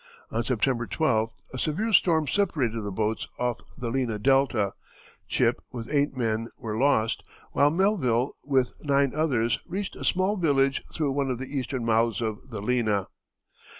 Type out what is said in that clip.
On September 12th a severe storm separated the boats off the Lena Delta; Chipp with eight men were lost, while Melville, with nine others, reached a small village through one of the eastern mouths of the Lena.